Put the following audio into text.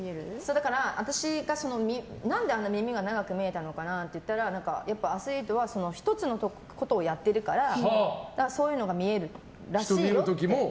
だから、何であんなに耳が長く見えたのかなって言ったらアスリートは１つのことをやってるからそういうのが見えるらしいよって。